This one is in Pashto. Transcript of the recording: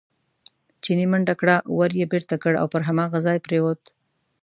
چیني منډه کړه، ور یې بېرته کړ او پر هماغه ځای پرېوت.